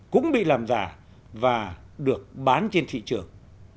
cũng bị làm giả và được bán trên thị trường